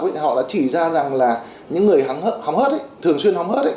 bởi vì ra rằng là những người hóng hớt thường xuyên hóng hớt